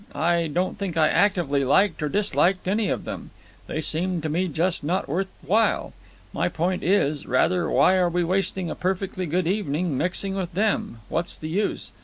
I don't think I actively liked or disliked any of them. They seemed to me just not worth while. My point is, rather, why are we wasting a perfectly good evening mixing with them? What's the use?